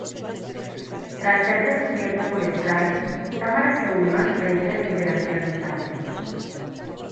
Tras ser descubierta por Stryfe, Tamara se unió al Frente de Liberación Mutante.